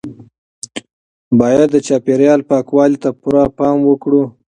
باید د چاپیریال پاکوالي ته پوره پام وکړو.